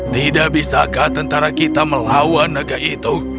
tidak bisakah tentara kita melawan naga itu